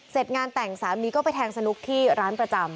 เสร็จงานแต่งสามีก็ไปแทงสนุกที่ร้านประจำ